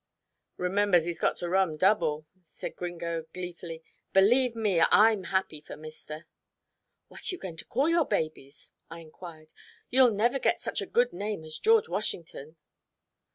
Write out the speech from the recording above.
"Remembers he's got to run double," said Gringo gleefully. "Believe me, I'm happy for mister." "What are you going to call your babies?" I enquired. "You'll never get such a good name as George Washington."